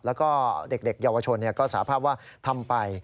แล้วก็เด็กเยาวชนก็สาภาพว่าทำไป